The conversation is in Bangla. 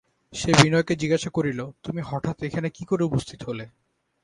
সে বিনয়কে জিজ্ঞাসা করিল, তুমি হঠাৎ এখানে কী করে উপস্থিত হলে।